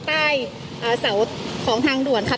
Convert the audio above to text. ต้าวุดสาวของทางด่วนค่ะ